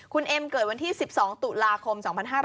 คุณเอ็มเกิดวันที่๑๒ตุลาคม๒๕๕๙